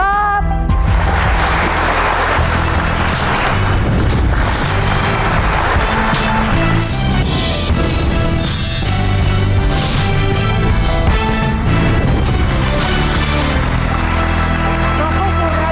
เรามาเป็นกำลังใจให้กับครอบครัวของพ่อสัตว์